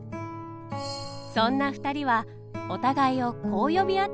そんな２人はお互いをこう呼び合っていたようです。